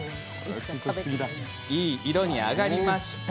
いい色に揚がりました。